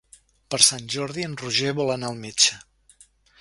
Per Sant Jordi en Roger vol anar al metge.